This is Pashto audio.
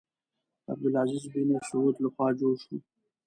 د عبدالعزیز بن سعود له خوا جوړ شو.